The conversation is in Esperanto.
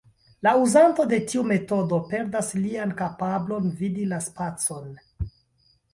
La uzanto de tiu metodo perdas lian kapablon vidi la spacon.